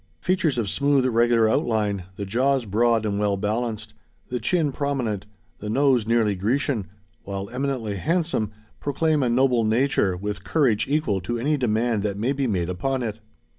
Features of smooth, regular outline the jaws broad, and well balanced; the chin prominent; the nose nearly Grecian while eminently handsome, proclaim a noble nature, with courage equal to any demand that may be made upon it.